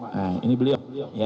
nah ini beliau